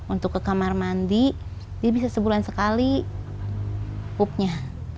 untuk ke kamar mandi dia bisa sebulan sekali pupnya